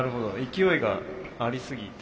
勢いがありすぎて。